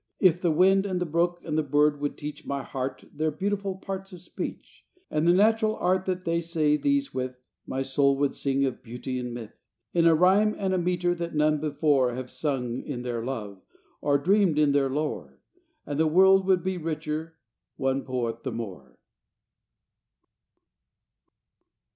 If the wind and the brook and the bird would teach My heart their beautiful parts of speech, And the natural art that they say these with, My soul would sing of beauty and myth In a rhyme and a metre that none before Have sung in their love, or dreamed in their lore, And the world would be richer one poet the more.